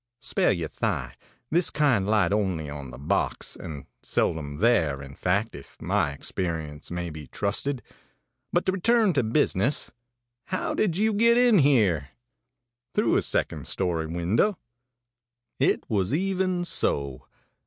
Spare your thigh; this kind light only on the box, and seldom there, in fact, if my experience may be trusted. But to return to business: how did you get in here?' ã'Through a second story window.' ãIt was even so.